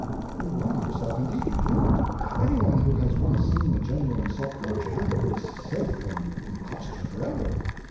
You wrong yourself, indeed you do. Anyone who has once seen a genuine Saltmarsh Handel is safe from imposture forever.